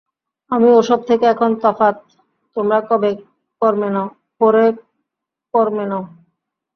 আমি ও-সব থেকে এখন তফাত, তোমরা করে-কর্মে নাও।